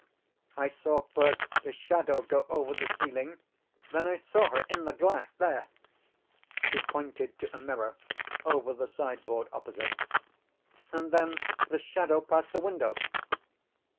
I saw first a shadow go over the ceiling, then I saw her in the glass there" she pointed to a mirror over the sideboard opposite "and then the shadow passed the window."